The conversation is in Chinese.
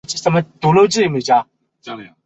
该片背景为北宋宋仁宗赵祯年间。